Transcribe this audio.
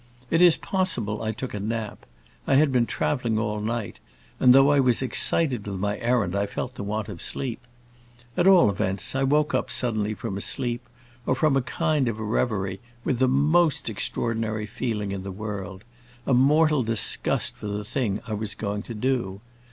It is possible I took a nap; I had been traveling all night, and though I was excited with my errand, I felt the want of sleep. At all events I woke up suddenly, from a sleep or from a kind of a reverie, with the most extraordinary feeling in the world—a mortal disgust for the thing I was going to do.